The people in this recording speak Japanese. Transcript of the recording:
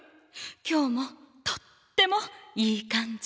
今日もとってもいい感じ。